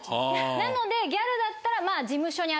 なのでギャルだったら。